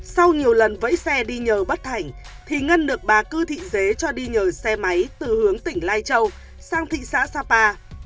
sau nhiều lần vẫy xe đi nhờ bất thành thì ngân được bà cư thị dế cho đi nhờ xe máy từ hướng tỉnh lai châu sang thị xã sapa